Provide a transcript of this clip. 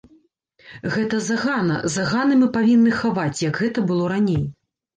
Гэта загана, заганы мы павінны хаваць, як гэта было раней.